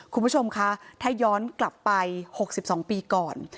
คุณผู้ชมคะถ้าย้อนกลับไป๖๒ปีก่อน